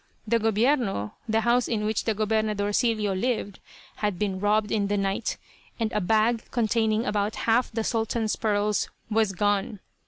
The "gobierno," the house in which the "Gobernadorcillo" lived, had been robbed in the night, and a bag containing about half the Sultan's pearls was gone.